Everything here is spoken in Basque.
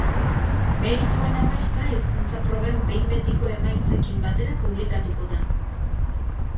Merituen emaitza hizkuntza proben behin betiko emaitzekin batera publikatuko da.